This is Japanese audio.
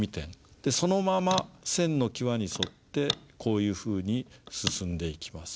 でそのまま線の際に沿ってこういうふうに進んでいきます。